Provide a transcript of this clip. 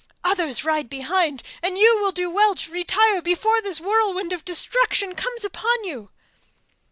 Others ride behind, and you will do well to retire before this whirlwind of destruction comes upon you.